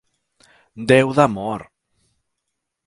Déu d'amor!